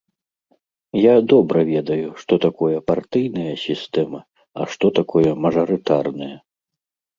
Я добра ведаю, што такое партыйная сістэма, а што такое мажарытарная.